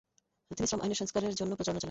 তিনি শ্রম আইনের সংস্কারের জন্য প্রচারণা চালান।